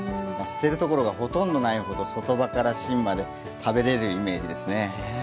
捨てるところがほとんどないほど外葉から芯まで食べれるイメージですね。